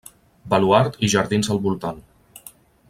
Baluard i jardins al voltant.